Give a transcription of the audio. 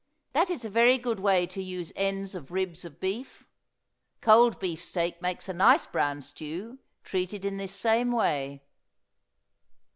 That is a very good way to use ends of ribs of beef. Cold beefsteak makes a nice brown stew, treated in this same way.